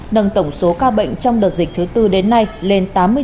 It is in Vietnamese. nâng tổng số ca bệnh trong đợt dịch thứ bốn đến nay lên tám mươi chín trường hợp